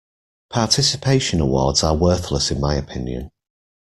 Participation awards are worthless in my opinion.